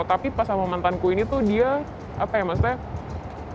tapi pas sama mantanku ini tuh dia apa ya maksudnya